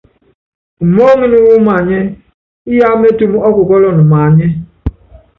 Umɔ́ɔ́ŋín wɔ́ maanyɛ́, Iyá métúm ɔ́ kukɔ́lɔn maanyɛ́.